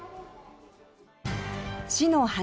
市の花